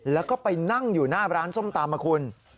แล้วก็ไปนั่งอยู่หน้าร้านส้มตำนะคุณ